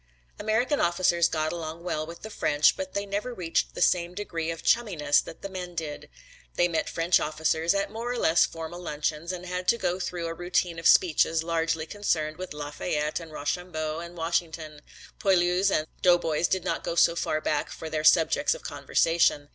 American officers got along well with the French but they never reached the same degree of chumminess that the men did. They met French officers at more or less formal luncheons and had to go through a routine of speeches largely concerned with Lafayette and Rochambeau and Washington. Poilus and doughboys did not go so far back for their subjects of conversation.